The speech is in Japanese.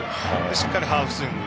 しっかりハーフスイング。